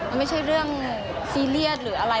มันไม่ใช่เรื่องซีเรียสหรืออะไร